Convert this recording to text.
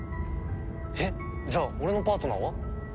えっじゃあ俺のパートナーは？